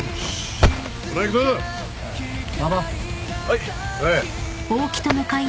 はい！